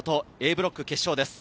ブロック決勝です。